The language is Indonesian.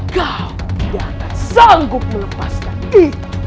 kau tidak sanggup melepaskan itu